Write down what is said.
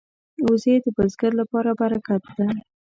وزې د بزګر لپاره برکت ده